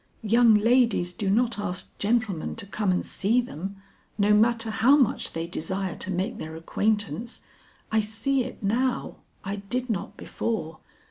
Young ladies do not ask gentlemen to come and see them, no matter how much they desire to make their acquaintance. I see it now; I did not before.